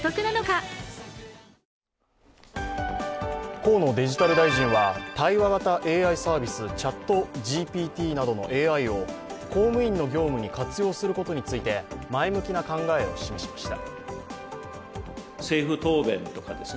河野デジタル大臣は対話型ＡＩサービス、ＣｈａｔＧＰＴなどのＡＩを公務員の業務に活用することについて前向きな考えを示しました。